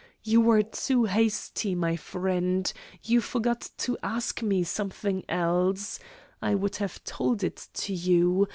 You were too hasty, my friend, you forgot to ask me something else I would have told it to you.